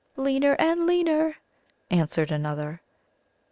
"Leaner and leaner," answered another.